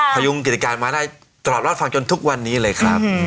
พยุงกิจการมาได้ตลอดรอดฟังจนทุกวันนี้เลยครับ